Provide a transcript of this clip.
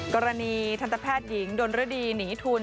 กรณีทันตแพทย์หญิงดนรดีหนีทุน